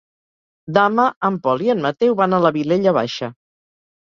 Demà en Pol i en Mateu van a la Vilella Baixa.